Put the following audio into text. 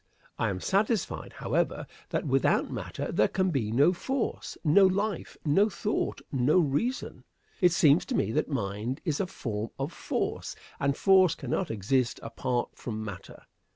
I am satisfied, however, that without matter there can be no force, no life, no thought, no reason. It seems to me that mind is a form of force, and force cannot exist apart from matter.